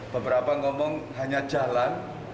beberapa ngomong hanya jalan